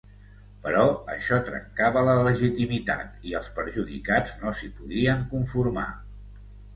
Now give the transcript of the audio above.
Però això trencava la legitimitat i els perjudicats no s'hi podien conformar.